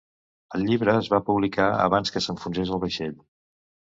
El llibre es va publicar abans que s'enfonsés el vaixell.